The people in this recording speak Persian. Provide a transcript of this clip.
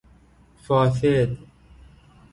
فاسد